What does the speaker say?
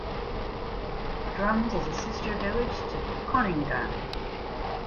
Drums is a sister village to Conyngham.